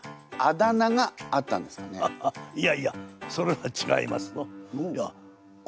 いやいやそれはちがいますぞ。